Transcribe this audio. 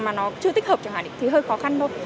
mà nó chưa tích hợp chẳng hạn thì hơi khó khăn thôi